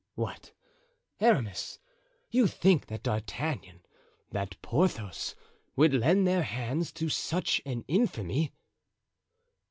"What! Aramis, you think that D'Artagnan, that Porthos, would lend their hands to such an infamy?"